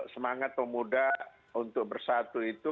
semangat pemuda untuk bersatu itu